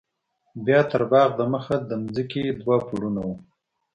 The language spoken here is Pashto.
بيا تر باغ د مخه د ځمکې دوه پوړونه وو.